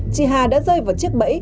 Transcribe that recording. chị hà đã rơi vào chiếc bẫy